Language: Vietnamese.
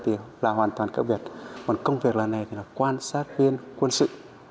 thì là hoàn toàn khác biệt còn công việc lần này thì là quan sát viên quân sự